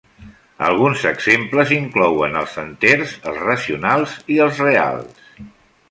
Alguns exemples inclouen els enters, els racionals i els reals.